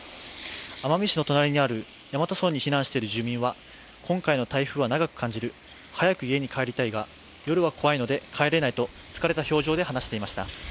奄美市のとなりにある大和村に避難している住民は今回の台風は長く感じる、早く家に帰りたいが夜は怖いので帰れないと疲れた表情で話していました。